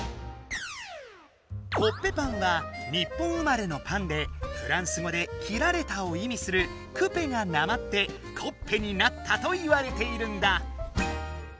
コッペパンは日本生まれのパンでフランス語で「切られた」をいみする「クペ」がなまって「コッペ」になったといわれているんだ。